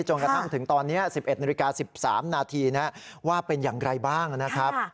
จนกระทั่งถึงตอนนี้๑๑นาฬิกา๑๓นาทีว่าเป็นอย่างไรบ้างนะครับ